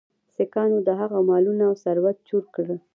سیکهانو د هغه مالونه او ثروت چور کړ.